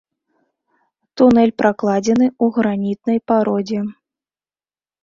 Тунэль пракладзены ў гранітнай пародзе.